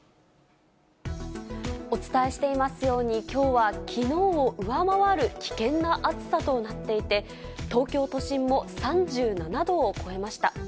お伝えしていますように、きょうはきのうを上回る危険な暑さとなっていて、東京都心も３７度を超えました。